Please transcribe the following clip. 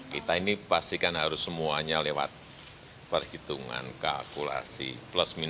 kita ini pastikan harus semuanya lewat perhitungan kalkulasi plus minus